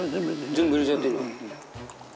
全部入れちゃっていいの？